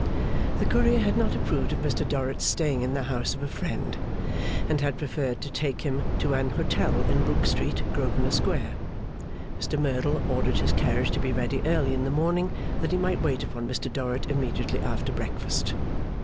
The Courier had not approved of Mr Dorrit's staying in the house of a friend, and had preferred to take him to an hotel in Brook Street, Grosvenor Square. Mr Merdle ordered his carriage to be ready early in the morning that he might wait upon Mr Dorrit immediately after breakfast.